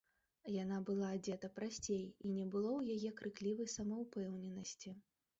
Яна была адзета прасцей, і не было ў яе крыклівай самаўпэўненасці.